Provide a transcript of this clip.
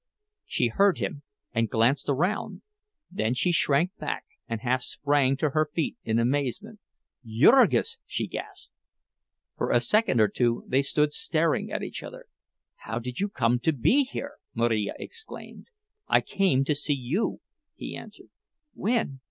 She heard him, and glanced around; then she shrank back and half sprang to her feet in amazement. "Jurgis!" she gasped. For a second or two they stood staring at each other. "How did you come here?" Marija exclaimed. "I came to see you," he answered. "When?"